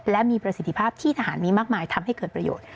และมีประสิทธิภาพที่ทหารมีมากมายทำให้เกิดประโยชน์